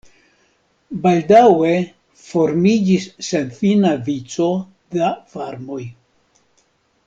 Baldaŭe formiĝis senfina vico da farmoj.